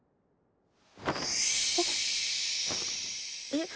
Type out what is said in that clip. えっ。